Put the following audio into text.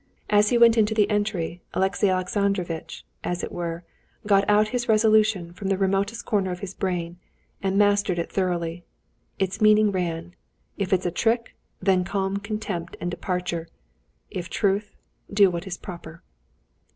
As he went into the entry, Alexey Alexandrovitch, as it were, got out his resolution from the remotest corner of his brain, and mastered it thoroughly. Its meaning ran: "If it's a trick, then calm contempt and departure. If truth, do what is proper."